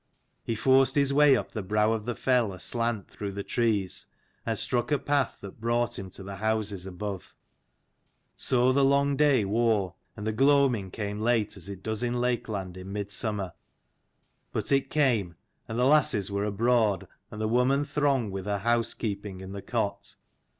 He forced his way up the brow of the fell aslant through the trees, and struck a path that brought him to the houses above. So the long day wore, and the gloaming came late as it does in Lakeland in mid summer : but it came: and the lasses were abroad, and the woman throng with her house keeping in the cot.